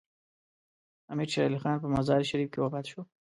امیر شیر علي خان په مزار شریف کې وفات شو.